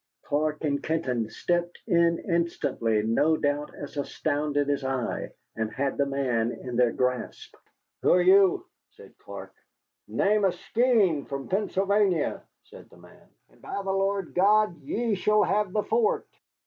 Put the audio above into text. Clark and Kenton stepped in instantly, no doubt as astounded as I, and had the man in their grasp. "Who are you?" said Clark. "Name o' Skene, from Pennsylvanya," said the man, "and by the Lord God ye shall have the fort."